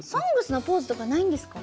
「ＳＯＮＧＳ」のポーズとかないんですか？